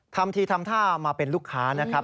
ทำทีทำท่ามาเป็นลูกค้านะครับ